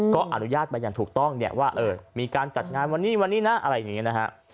ก็อนุญาตมาอย่างถูกต้องเนี่ยว่ามีการจัดงานวันนี้วันนี้นะอะไรอย่างนี้นะฮะ